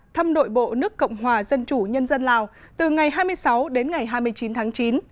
thăm nội bộ nước cộng hòa dân chủ nhân dân lào từ ngày hai mươi sáu đến ngày hai mươi chín tháng chín